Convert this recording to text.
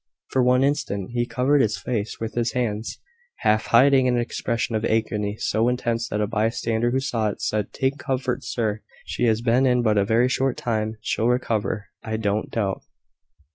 For one instant he covered his face with his hands, half hiding an expression of agony so intense that a bystander who saw it, said, "Take comfort, sir: she has been in but a very short time. She'll recover, I don't doubt."